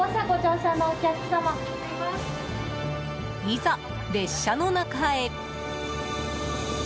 いざ列車の中へ。